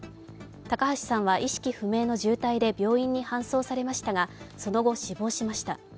高橋さんは意識不明の重体で病院に搬送されましたがその後、死亡されました。